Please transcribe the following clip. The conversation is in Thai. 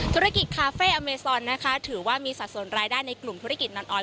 ธุรกิจคาเฟ่อเมซอนนะคะถือว่ามีสัดส่วนรายได้ในกลุ่มธุรกิจนอนออย